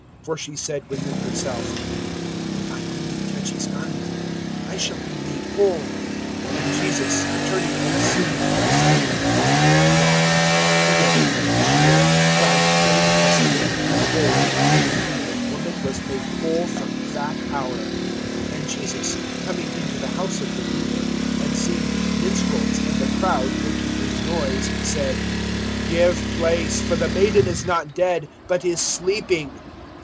(21)For she said within herself: If I only touch his garment, I shall be made whole. (22)And Jesus, turning and seeing her, said: Daughter, be of good cheer; thy faith has made thee whole. (23)And the woman was made whole from that hour. And Jesus, coming into the house of the ruler, and seeing the minstrels and the crowd making a noise, (24)said: Give place; for the maiden is not dead, but is sleeping.